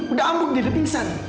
udah amuk dia udah pingsan